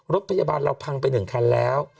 รถพยาบาลเราพังไป๑คันแล้ว